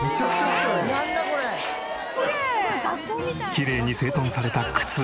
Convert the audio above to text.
きれいに整頓された靴。